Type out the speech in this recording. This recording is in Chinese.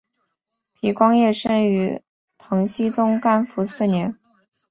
皮光业生于唐僖宗干符四年。